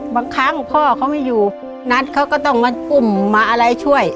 บางครั้งพ่อเขาไม่อยู่นัทเขาก็ต้องมาอุ้มมาอะไรช่วย